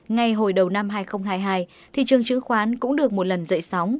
ngay hồi đầu năm hai nghìn hai mươi hai thị trường chứng khoán cũng được một lần dậy sóng